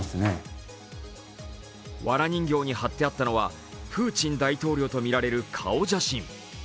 わら人形に貼ってあったのはプーチン大統領とみられる顔写真。